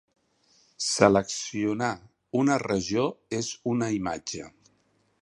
Seleccionar una regió en una imatge.